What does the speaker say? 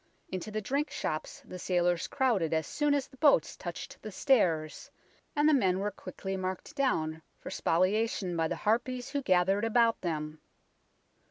Into the drink shops the sailors crowded as soon as the boats touched the stairs, and the men were quickly marked down for spoliation by the harpies who gathered about them.